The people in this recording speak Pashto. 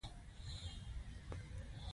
علمي بنسټونه یا تعلیم عامول.